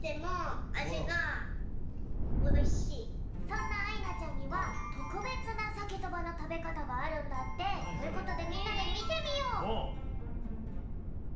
そんなあいなちゃんにはとくべつなサケとばの食べ方があるんだって。ということでみんなでみてみよう！